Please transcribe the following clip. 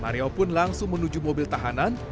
mario pun langsung menuju mobil tahanan